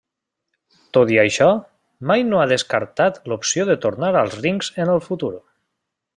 Tot i això, mai no ha descartat l'opció de tornar als rings en el futur.